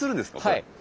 はい。